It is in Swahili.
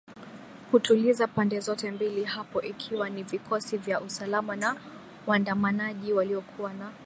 kutuliza pande zote mbili hapo ikiwa ni vikosi vya usalama na wandamanaji waliokuwa na